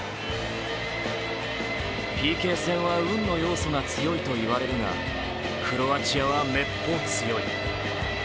ＰＫ戦は運の要素が強いといわれるがクロアチアは、めっぽう強い。